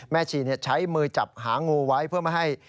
แม่ชีเนี่ยใช้มือจับหางูไว้เพื่อมาให้